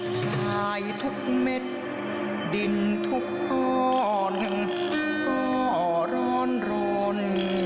สายทุกเม็ดดินทุกก้อนก็ร้อนรน